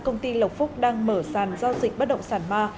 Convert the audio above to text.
công ty lộc phúc đang mở sàn giao dịch bất động sản ma